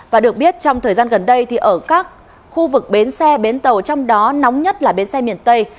và được biết trong thời gian gần đây thì ở các khu vực bến xe bến tàu trong đó nóng nhất là bến xe miền tây